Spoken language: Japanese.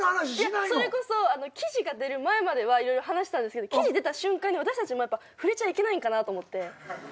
それこそ記事が出る前までは色々話したんですけど記事出た瞬間に私たちも触れちゃいけないんかなと思って。